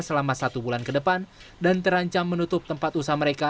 selama satu bulan ke depan dan terancam menutup tempat usaha mereka